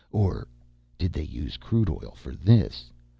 Or did they use crude oil for this?